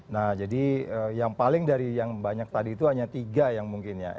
nah jadi yang paling dari yang banyak tadi itu hanya tiga yang mungkin ya